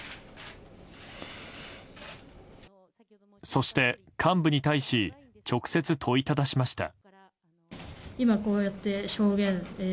そして、幹部に対し直接、問いただしました。